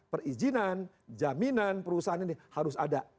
perizinan jaminan perusahaan ini harus ada